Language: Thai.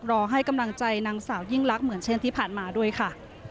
รอให้กำลังใจนางสาวยิ่งลักษณ์เหมือนเช่นที่ผ่านมาด้วยค่ะ